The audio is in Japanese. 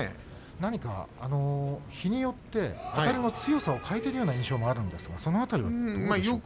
何か日によってあたりの強さを変えているような印象があるんですが、その辺りはどうなんでしょうか。